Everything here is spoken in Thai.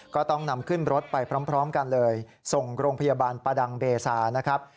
ก็ต้องนำขึ้นรถไปพร้อมกันเลยส่งโรงพยาบาลประดังเบซานะครับ